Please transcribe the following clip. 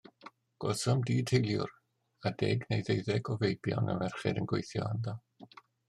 Gwelsom dŷ teiliwr, a deg neu ddeuddeg o feibion a merched yn gweithio ynddo.